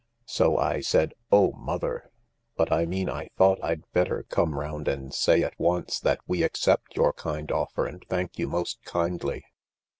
So I said, 'Oh, mother! ...' But I mean I thought I'd better come round and say at once that we accept your kind offer and thank you most kindly."